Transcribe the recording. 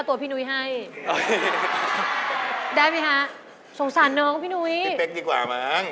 ตอบผิดเสียดาย